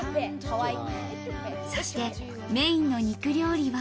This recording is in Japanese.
そしてメインの肉料理は。